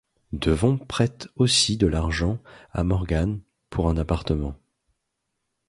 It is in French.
Devon prête aussi de l'argent à Morgan pour un appartement.